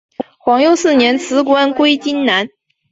皇佑四年辞官归荆南。